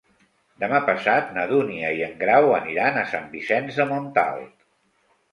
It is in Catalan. Demà passat na Dúnia i en Grau aniran a Sant Vicenç de Montalt.